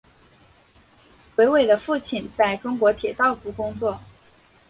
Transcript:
韦唯的父亲在中国铁道部工作。